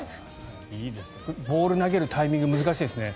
ボールを投げるタイミングが難しいですね。